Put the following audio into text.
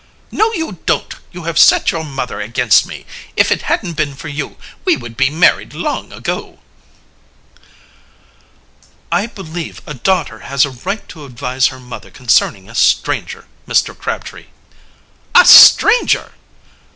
"No, you don't. You have set your mother against me. If it hadn't been for you, we would be married long ago." "I believe a daughter has a right to advise her mother concerning a stranger, Mr. Crabtree." "A stranger!"